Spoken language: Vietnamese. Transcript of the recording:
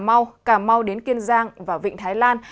cà mau cà mau đến kiên giang và vịnh thái lan